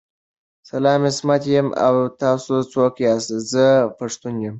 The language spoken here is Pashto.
سلام عصمت یم او تاسو څوک ياست ذه پښتون یم